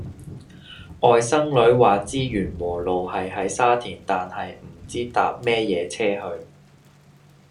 外甥女話知源禾路係喺沙田但係唔知搭咩野車去